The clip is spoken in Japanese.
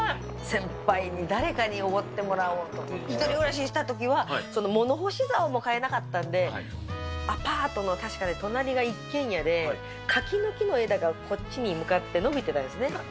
先輩に誰かにおごってもらおうと、１人暮らししたときは、物干しざおも買えなかったんで、アパートの確かね、隣が一軒家で、柿の木の枝がこっちに向かって伸びてたんですね。